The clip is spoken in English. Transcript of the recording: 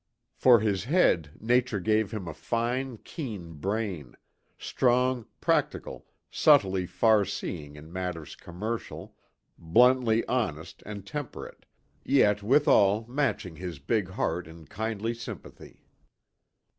For his head Nature gave him a fine, keen brain; strong, practical, subtly far seeing in matters commercial, bluntly honest and temperate, yet withal matching his big heart in kindly sympathy.